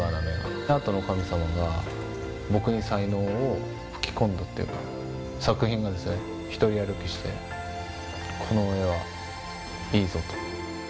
アートの神様が、僕に才能を吹き込んだというか、作品が独り歩きして、この絵はいいぞと。